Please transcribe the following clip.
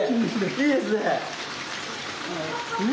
いいですねえ！